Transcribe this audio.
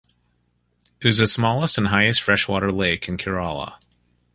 It is the smallest and highest freshwater lake in Kerala.